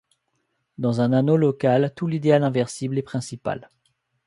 Dans un anneau local, tout idéal inversible est principal.